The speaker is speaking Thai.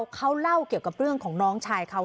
เขาเล่าเกี่ยวกับเรื่องของน้องชายเขา